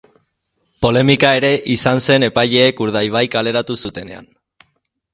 Polemika ere izan zen epaileek Urdaibai kaleratu zutenean.